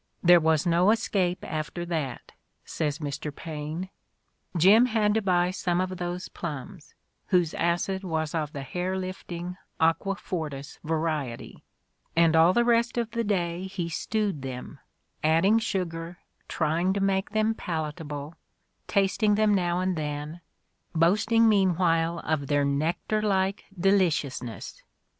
"There was no escape after that," says Mr. Paine; "Jim had to buy some of those plums, whose acid was of the hair lifting, aqua fortis variety, and all the rest of the day he stewed them, adding sugar, trying to make them palatable, tasting them now and then, boasting meanwhile of their nectar like delicious ness.